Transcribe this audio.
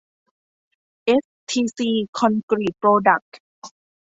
เอสทีซี คอนกรีตโปรดัคท์